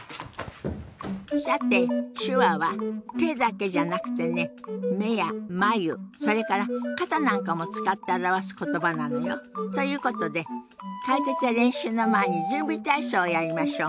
さて手話は手だけじゃなくてね目や眉それから肩なんかも使って表す言葉なのよ。ということで解説や練習の前に準備体操をやりましょう。